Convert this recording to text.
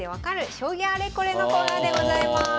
将棋あれこれ」のコーナーでございます。